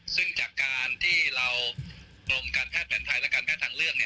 ซึ่งจากการที่เรากรมการแพทย์แผนไทยและการแพทย์ทางเลือก